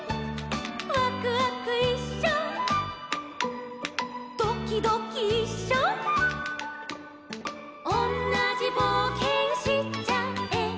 「わくわくいっしょ」「どきどきいっしょ」「おんなじぼうけんしちゃえば」